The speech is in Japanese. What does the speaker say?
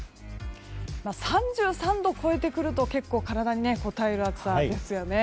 ３３度を超えてくると結構体にこたえる暑さですよね。